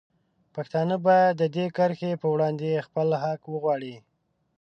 پښتانه باید د دې کرښې په وړاندې خپل حق وغواړي.